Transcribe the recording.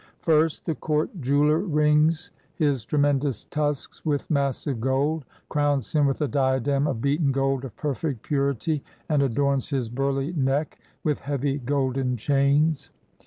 First, the court jeweler rings his tremendous tusks with massive gold, crowns him with a diadem of beaten gold of perfect purity and adorns his burly neck with heavy golden chains.